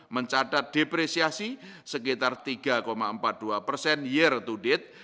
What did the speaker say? mencatat depresiasi sekitar tiga empat puluh dua persen year to date